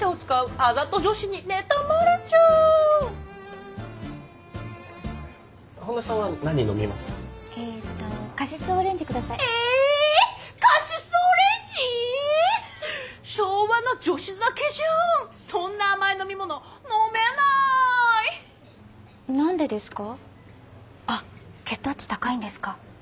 あっ血糖値高いんですか？